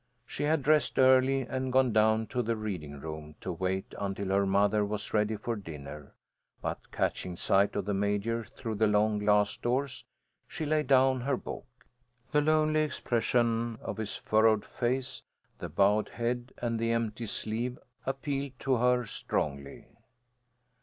She had dressed early and gone down to the reading room to wait until her mother was ready for dinner, but catching sight of the Major through the long glass doors, she laid down her book. The lonely expression of his furrowed face, the bowed head, and the empty sleeve appealed to her strongly.